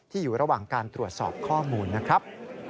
อยู่ระหว่างการตรวจสอบข้อมูลนะครับ